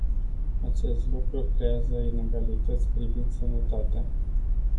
Acest lucru creează inegalități privind sănătatea.